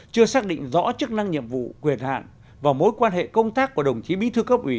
chưa xác định rõ chức năng nhiệm vụ quyền hạn và mối quan hệ công tác của đồng chí bí thư cấp ủy